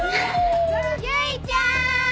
・唯ちゃん！